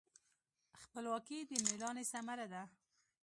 خپلواکي د میړانې ثمره ده.